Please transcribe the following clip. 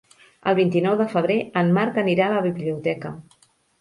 El vint-i-nou de febrer en Marc anirà a la biblioteca.